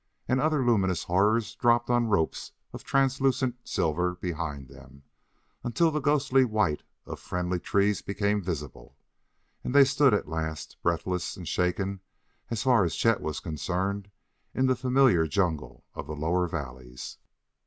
And other luminous horrors dropped on ropes of translucent silver behind them, until the ghostly white of friendly trees became visible, and they stood at last, breathless and shaken, as far as Chet was concerned, in the familiar jungle of the lower valleys.